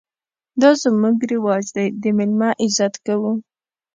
_دا زموږ رواج دی، د مېلمه عزت کوو.